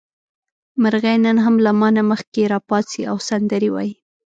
مرغۍ نن هم له ما نه مخکې راپاڅي او سندرې وايي.